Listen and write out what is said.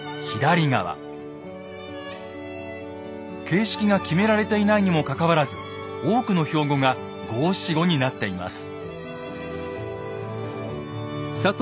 形式が決められていないにもかかわらず多くの標語が５７５になっています。